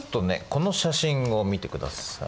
この写真を見てください。